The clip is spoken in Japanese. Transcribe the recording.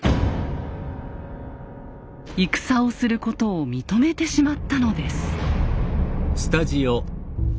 戦をすることを認めてしまったのです。